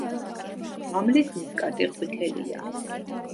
მამლის ნისკარტი ყვითელია.